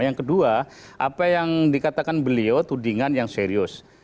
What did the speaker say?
yang kedua apa yang dikatakan beliau tudingan yang serius